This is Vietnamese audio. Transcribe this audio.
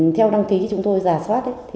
theo đăng ký chúng tôi giả soát